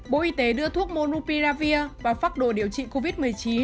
bộ y tế đưa thuốc monopiravir vào pháp đồ điều trị covid một mươi chín